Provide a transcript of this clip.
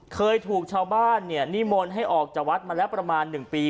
เคยถูกชาวบ้านเนี่ยนิมนต์ให้ออกจากวัดมาแล้วประมาณ๑ปี